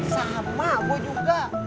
sama gue juga